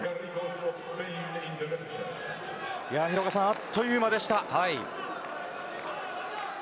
あっという間でした。